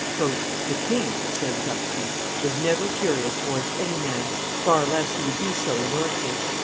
"The king," said Warthy, "was never furious towards any man; far less would he be so in your case."